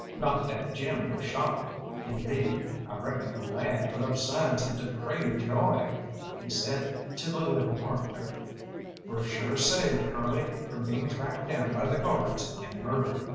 Not that Jim was shocked indeed, I reckon the lad put up signs of depraved joy. He said to the little partner "We're sure saved, Curly, from being tracked down by the Guards and murdered."